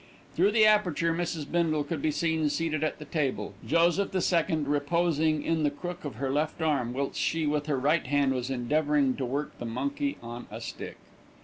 Through the aperture Mrs. Bindle could be seen seated at the table, Joseph the Second reposing in the crook of her left arm, whilst she, with her right hand, was endeavouring to work the monkey on a stick.